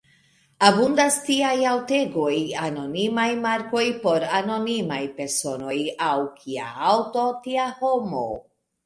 Abundas tiaj aŭtegoj: anonimaj markoj por anonimaj personoj; aŭ, kia aŭto, tia homo.